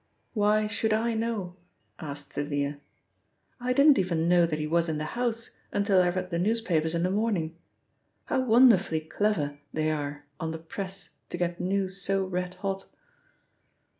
Why should I know?" asked Thalia. "I didn't even know that he was in the house until I read the newspapers in the morning how wonderfully clever they are on the Press to get news so red hot."